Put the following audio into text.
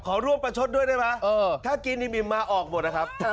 ขอร่วมประชดด้วยได้ไหมถ้ากินนิมิมมาออกหมดนะครับ